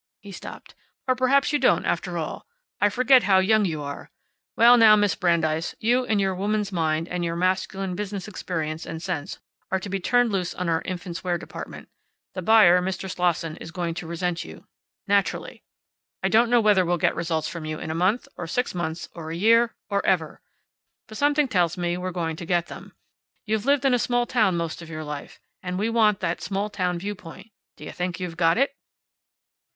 He stopped. "Or perhaps you don't, after all. I forget how young you are. Well, now, Miss Brandeis, you and your woman's mind, and your masculine business experience and sense are to be turned loose on our infants' wear department. The buyer, Mr. Slosson, is going to resent you. Naturally. I don't know whether we'll get results from you in a month, or six months or a year. Or ever. But something tells me we're going to get them. You've lived in a small town most of your life. And we want that small town viewpoint. D'you think you've got it?"